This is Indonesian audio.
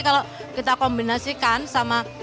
kalau kita kombinasikan sama